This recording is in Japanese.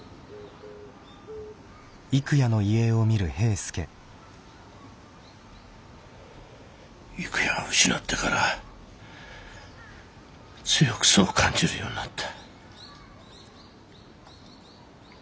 郁弥を失ってから強くそう感じるようになった。